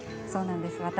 そうなんです。